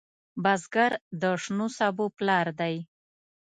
بزګر د شنو سبو پلار دی